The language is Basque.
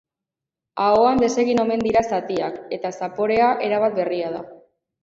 Ahoan desegiten omen dira zatiak eta zaporea erabat berria da.